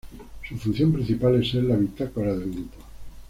Su función principal es ser la bitácora del grupo.